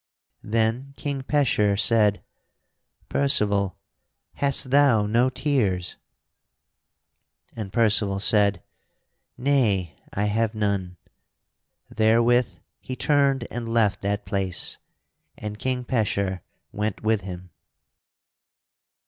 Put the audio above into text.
Then King Pecheur said, "Percival, hast thou no tears?" And Percival said, "Nay, I have none." Therewith he turned and left that place, and King Pecheur went with him.